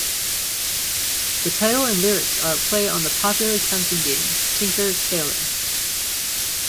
The title and lyrics are a play on the popular counting game Tinker, Tailor.